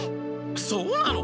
そうなの！？